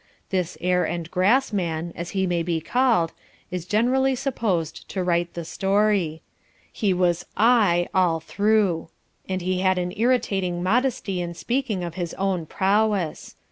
This Air and Grass man, as he may be called, is generally supposed to write the story... He was "I" all through. And he had an irritating modesty in speaking of his own prowess.